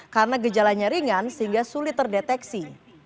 karena gejalanya ringan sehingga sulit terdeteksi